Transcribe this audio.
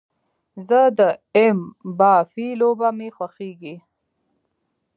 زه د ایم با في لوبه مې خوښیږي